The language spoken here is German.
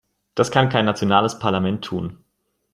Das kann kein nationales Parlament tun.